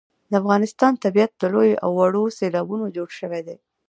د افغانستان طبیعت له لویو او وړو سیلابونو جوړ شوی دی.